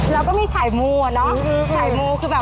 แล้วก็มีฉายโมฉายโมคือแบบ